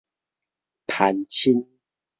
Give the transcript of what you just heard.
攀親